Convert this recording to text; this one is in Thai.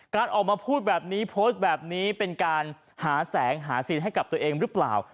การออกมาพูดแบบนี้โพสต์แบบนี้เป็นการหาแสงหาสินให้กับตัวเองหรือเปล่า